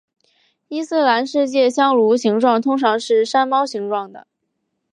伊斯兰世界香炉形状通常是山猫形状的。